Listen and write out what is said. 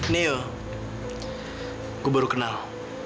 neo gua baru kenal